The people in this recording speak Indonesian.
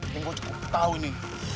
yang gue cukup tau ini